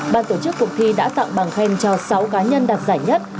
ban tổ chức cuộc thi đã tặng bằng khen cho sáu cá nhân đạt giải nhất